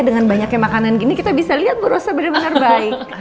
dengan banyaknya makanan gini kita bisa lihat berusaha benar benar baik